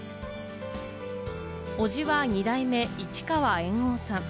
おじは二代目・市川猿翁さん。